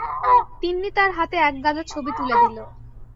তিন্নি তাঁর হাতে একগাদা ছবি তুলে দিল।